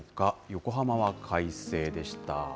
横浜は快晴でした。